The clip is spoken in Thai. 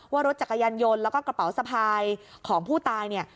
ว่ารถจักรยานยนต์แล้วก็กระเป๋าสะพายของผู้ตายเนี่ย